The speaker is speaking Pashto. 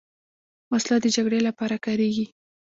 وسله د جګړې لپاره کارېږي